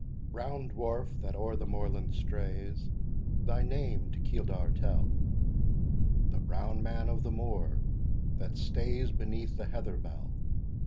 Brown Dwarf, that o'er the moorland strays, Thy name to Keeldar tell! "The Brown Man of the Moor, that stays Beneath the heather bell."